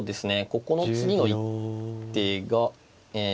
ここの次の一手がえ。